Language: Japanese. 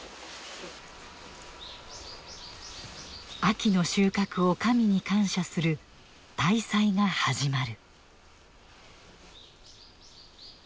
秋の収穫を神に感謝する大祭が始まる。